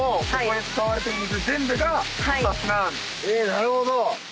なるほど。